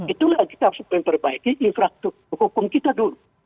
itulah kita harus memperbaiki infrastruktur hukum kita dulu